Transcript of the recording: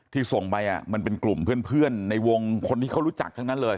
ส่งไปมันเป็นกลุ่มเพื่อนในวงคนที่เขารู้จักทั้งนั้นเลย